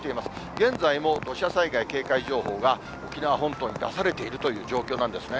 現在も土砂災害警戒情報が、沖縄本島に出されているという状況なんですね。